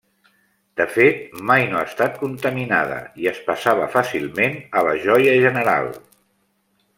De fet, mai no ha estat contaminada i es passava fàcilment a la joia general.